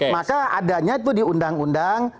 maka adanya itu di undang undang